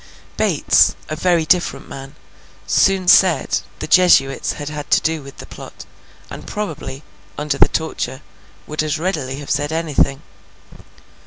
Bates, a very different man, soon said the Jesuits had had to do with the plot, and probably, under the torture, would as readily have said anything.